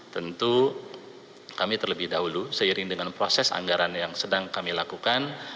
tentu kami terlebih dahulu seiring dengan proses anggaran yang sedang kami lakukan